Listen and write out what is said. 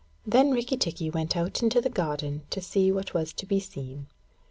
Then Rikki tikki went out into the garden to see what was to be seen.